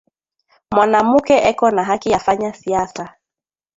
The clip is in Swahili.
Mwanamuke eko na haki ya fanya siasa